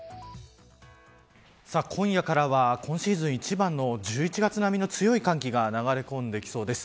今夜からは今シーズン一番の１１月並みの強い寒気が流れ込んできそうです。